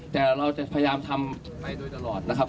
แต่เราจะพยายามทำให้โดยตลอดนะครับ